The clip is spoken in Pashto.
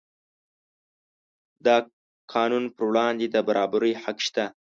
د قانون پر وړاندې د برابرۍ حق شته.